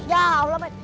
ya allah met